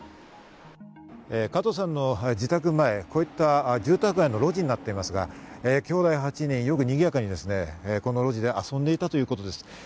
加藤さんの自宅前、こういった住宅街の路地になっていますが、きょうだい８人、よくにぎやかにこの路地で遊んでいたということです。